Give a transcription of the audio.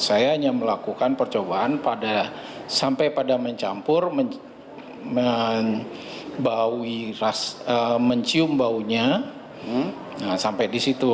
saya hanya melakukan percobaan sampai pada mencampur mencium baunya sampai di situ